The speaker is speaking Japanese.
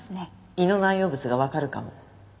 胃の内容物がわかるかも。